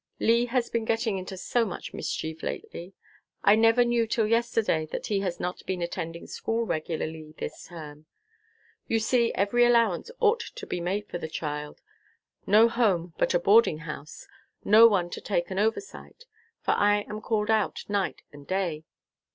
Lee has been getting into so much mischief lately. I never knew till yesterday that he has not been attending school regularly this term. You see every allowance ought to be made for the child no home but a boarding house; no one to take an oversight for I am called out night and day.